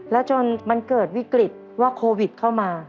แล้วจนมันเกิดวิกฤตว่าโควิดเข้ามา